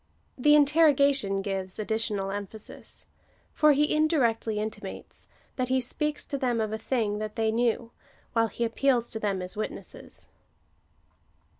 The interrogation gives additional emphasis ; for he indirectly intimates, that he speaks to them of a thing that they knew, while he appeals to them as witnesses.